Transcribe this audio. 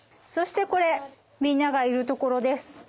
そしてこれみんながいる所です。